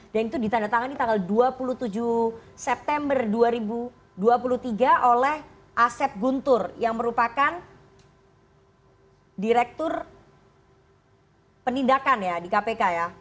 dan itu ditandatangani tanggal dua puluh tujuh september dua ribu dua puluh tiga oleh asep guntur yang merupakan direktur penindakan di kpk